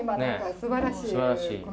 すばらしい。